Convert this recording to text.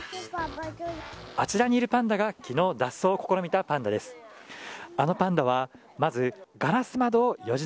あちらにいるパンダが昨日、脱走を試みたパンダです。